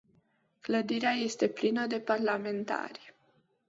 Clădirea este plină de parlamentari.